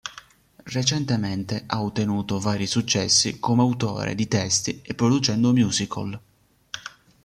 Recentemente ha ottenuto vari successi come autore di testi e producendo musical.